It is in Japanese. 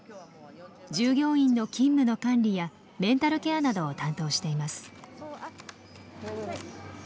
従業員の勤務の管理やメンタルケアなどを担当しています。